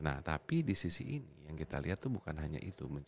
nah tapi di sisi ini yang kita lihat itu bukan hanya itu